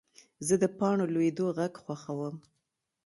زه د پاڼو لوېدو غږ خوښوم.